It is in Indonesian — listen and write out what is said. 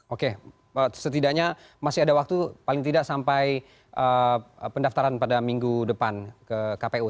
oke setidaknya masih ada waktu paling tidak sampai pendaftaran pada minggu depan ke kpu